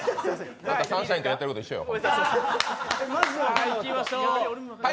サンシャインでやってることと一緒よ。